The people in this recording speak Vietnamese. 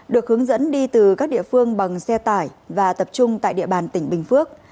được hướng dẫn đi từ các địa phương bằng xe tải và tập trung tại địa bàn tỉnh bình phước